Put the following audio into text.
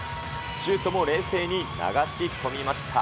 シューとも冷静に流し込みました。